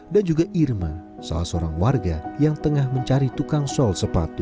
dan juga irma salah seorang warga yang tengah mencari tukang sol sepatu